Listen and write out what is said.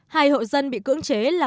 hai hộ dân bị cưỡng chế là